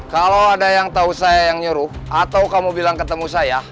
kalau ada yang tahu saya yang nyuruh atau kamu bilang ketemu saya